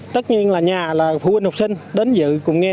tất nhiên là nhà là phụ huynh học sinh đến dự cùng nghe